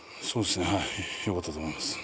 はいよかったと思います。